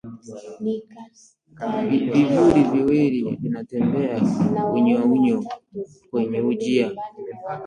Vivuli viwili vinatembea unyounyo kwenye ujia